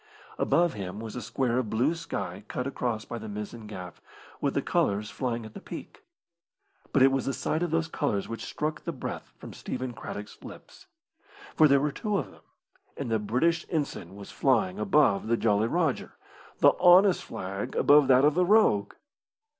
Above him was a square of blue sky cut across by the mizzen gaff, with the colours flying at the peak. But it was the sight of those colours which struck the breath from Stephen Craddock's lips. For there were two of them, and the British ensign was flying above the Jolly Rodger the honest flag above that of the rogue.